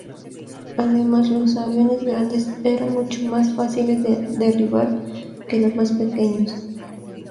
Además, los aviones grandes eran mucho más fáciles de derribar que los más pequeños.